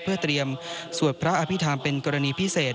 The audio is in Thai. เพื่อเตรียมสวดพระอภิษฐรรมเป็นกรณีพิเศษ